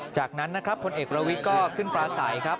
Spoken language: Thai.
จากนั้นนะครับพลเอกประวิทย์ก็ขึ้นปลาใสครับ